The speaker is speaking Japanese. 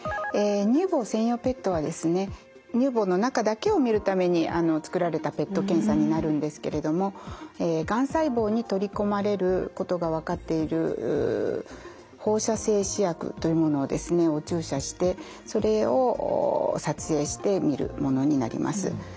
乳房専用ＰＥＴはですね乳房の中だけを見るために作られたＰＥＴ検査になるんですけれどもがん細胞に取り込まれることが分かっている放射性試薬というものをですねお注射してそれを撮影して見るものになります。